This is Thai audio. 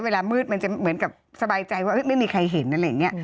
เวลามืดมันจะเหมือนกับสบายใจว่าไม่มีใครเห็นอะไรอย่างนี้